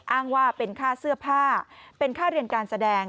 อ้างว่าเป็นค่าเสื้อผ้าเป็นค่าเรียนการแสดง